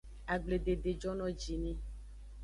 Agbledede jono ji ni.